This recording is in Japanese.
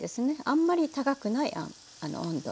あんまり高くない温度。